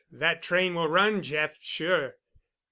That train will run, Jeff—sure."